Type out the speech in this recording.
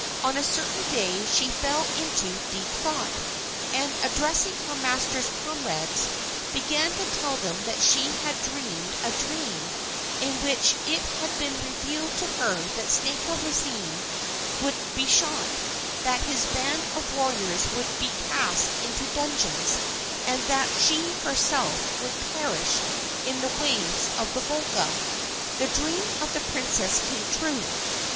On a certain day she fell into deep thought, and, addressing her master's comrades, began to tell them that she had dreamed a dream, in which it had been revealed to her that Stenka Râzine would be shot, that his band of warriors would be cast into dungeons, and that she herself would perish in the waves of the Volga. The dream of the princess came true.